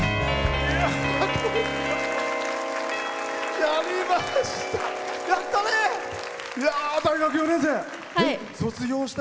やりました。